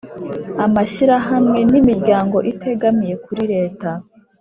amashyirahamwe n'imiryango itegamiye kuri leta